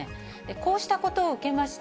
こうしたことを受けまして、